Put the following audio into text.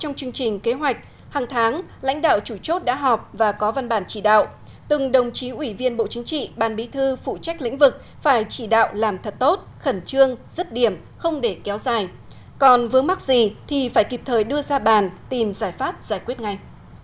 trong chương trình kế hoạch hàng tháng lãnh đạo chủ chốt đã họp và có văn bản chỉ đạo từng đồng chí ủy viên bộ chính trị ban bí thư phụ trách lĩnh vực phải chỉ đạo làm thật tốt khẩn trương rứt điểm không để kéo dài còn vướng mắc gì thì phải kịp thời đưa ra bàn tìm giải pháp giải quyết ngay